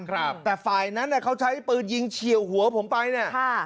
ครับแต่ฝ่ายนั้นอ่ะเขาใช้ปืนยิงเฉียวหัวผมไปเนี่ยค่ะ